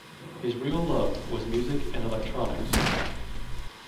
His real love was music and electronics.